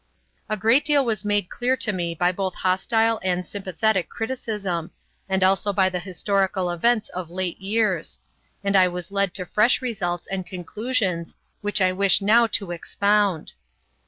A great deal was made clear to me by both hostile and sympathetic criticism, and also by the historical events of late years; and I was led to fresh results and conclusions, which I wish now to expound.